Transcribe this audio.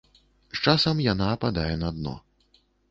З часам яна ападае на дно.